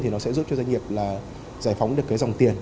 thì nó sẽ giúp cho doanh nghiệp là giải phóng được cái dòng tiền